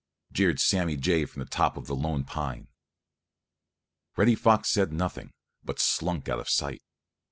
jeered Sammy Jay from the top of the Lone Pine. Reddy Fox said nothing, but slunk out of sight.